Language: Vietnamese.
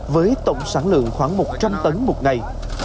với tổng sản lượng khoảng một trăm linh tấn một ngày